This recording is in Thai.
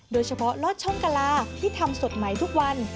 โดยเฉพาะลอดช่องกะลาที่ทำสดใหม่ทุกวัน